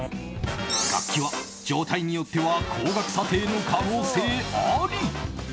楽器は状態によっては高額査定の可能性あり。